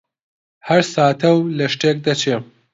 هەر ساتە و لە شتێک دەچێ: